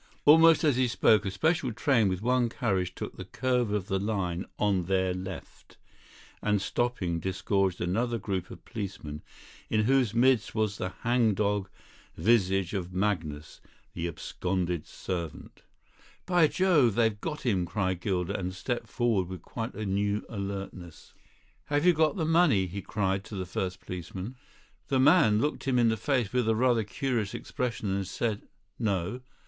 Almost as he spoke a special train with one carriage took the curve of the line on their left, and, stopping, disgorged another group of policemen, in whose midst was the hangdog visage of Magnus, the absconded servant. "By Jove! they've got him," cried Gilder, and stepped forward with quite a new alertness. "Have you got the money!" he cried to the first policeman. The man looked him in the face with a rather curious expression and said: "No."